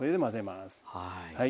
はい。